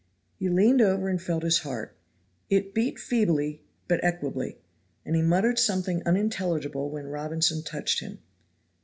He leaned over and felt his heart; it beat feebly but equably, and he muttered something unintelligible when Robinson touched him.